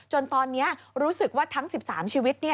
จนตอนนี้รู้สึกว่าทั้ง๑๓ชีวิต